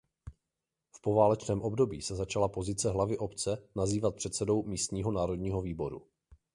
V poválečném období se začala pozice hlavy obce nazývat předsedou Místního národního výboru.